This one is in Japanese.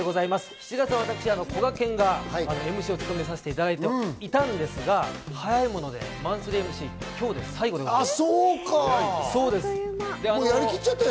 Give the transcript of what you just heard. ７月はこがけんがＭＣを務めさせていただいていたんですが、早いものでマンスリーＭＣ、今日で最後です。